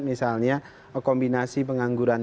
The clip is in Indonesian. misalnya kombinasi pengangguran